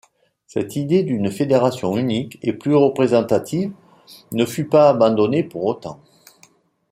Cette idée d’une fédération unique et plus représentative ne fut pas abandonnée pour autant.